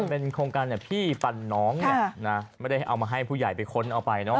เป็นโครงการพี่ปั่นน้องเนี่ยนะไม่ได้เอามาให้ผู้ใหญ่ไปค้นเอาไปเนอะ